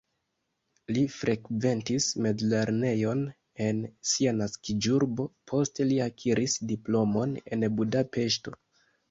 Li frekventis mezlernejon en sia naskiĝurbo, poste li akiris diplomon en Budapeŝto.